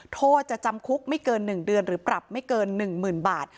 โทษจะจำคุกไม่เกิน๑เดือนหรือปรับไม่เกิน๑๐๐๐บาท